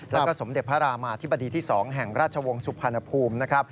แล้วก็สมเด็จพระรามาธิบดีที่๒แห่งราชวงศ์สุพรรณภูมินะครับ